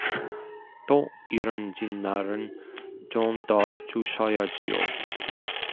또 이런 진날은 좀 더 주셔야지요.